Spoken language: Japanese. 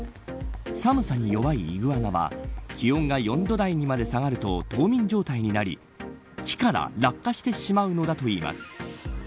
寒さに弱いイグアナは気温が４度台にまで下がると冬眠状態になり木から落下してしまうのだといいます。